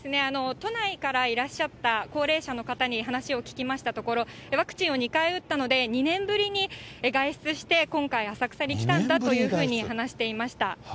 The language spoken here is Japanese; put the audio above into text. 都内からいらっしゃった高齢者の方に話を聞きましたところ、ワクチンを２回打ったので、２年ぶりに外出して、今回、浅草に来たんだというふうに話していました。